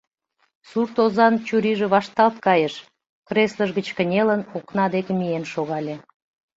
Сурт озан чурийже вашталт кайыш, креслыж гыч кынелын, окна дек миен шогале.